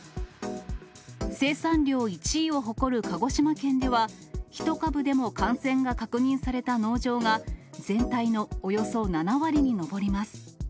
生産量１位を誇る鹿児島県では、１株でも感染が確認された農場が、全体のおよそ７割に上ります。